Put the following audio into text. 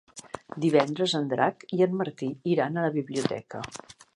Divendres en Drac i en Martí iran a la biblioteca.